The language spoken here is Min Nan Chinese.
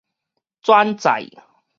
轉載